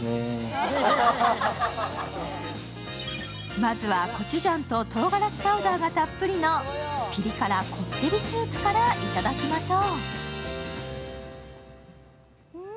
まずはコチュジャンととうがらしパウダーがたっぷりのピリ辛こってりスープからいただきましょう。